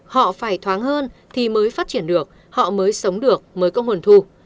họ phải thoáng hơn thì mới phát triển được họ mới sống được mới có nguồn thu